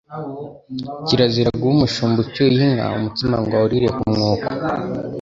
Kirazira guha umushumba ucyuye inka umutsima ngo awurire ku mwuko,